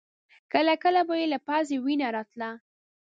کله کله به يې له پزې وينه راتله.